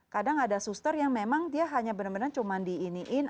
kadang ada suster yang memang dia hanya benar benar cuma di iniin